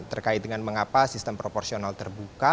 terkait dengan mengapa sistem proporsional terbuka